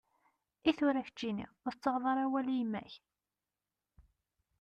Itura keččini, ur tettaɣeḍ ara awal i yemma-k?